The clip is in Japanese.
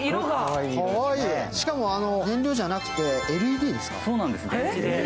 しかも、燃料じゃなくてＬＥＤですか。